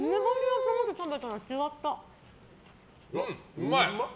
うまい！